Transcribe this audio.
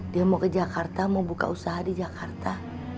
dia mau ke jakarta mau buka usaha di jakarta